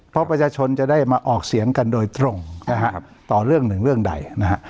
เพราะประชาชนจะได้มาออกเสียงกันโดยตรงนะฮะต่อเรื่องหนึ่งเรื่องใดนะฮะ